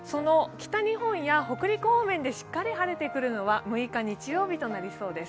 北日本や北陸方面でしっかり晴れてくるのは６日、日曜日となりそうです。